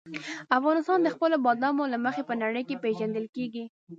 افغانستان د خپلو بادامو له مخې په نړۍ کې پېژندل کېږي.